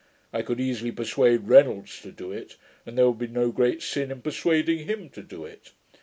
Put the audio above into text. I could easily persuade Reynolds to do it; and there would be no great sin in persuading him to do it.